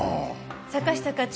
坂下課長。